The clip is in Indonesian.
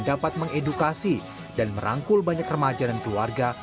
dapat mengedukasi dan merangkul banyak remaja dan keluarga